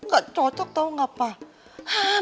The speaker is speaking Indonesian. gak cocok tau gak apa apa ya kan